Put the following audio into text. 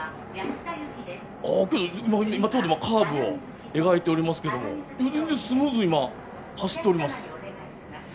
あけど今ちょうどカーブを描いておりますけども全然スムーズ今走っております。